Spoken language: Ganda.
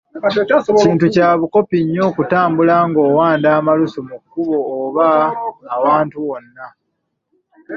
Kintu kya bukopi nnyo okutambula ng’ogenda owanda omalusu mu kkubo, oba awantu wonna.